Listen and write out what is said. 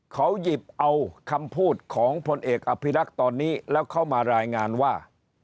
เขาหยิบเอาคำพูดของพลเอกอภิรักษ์ตอนนี้แล้วเขามารายงานว่า